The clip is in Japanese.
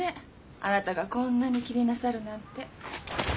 あなたがこんなに気になさるなんて。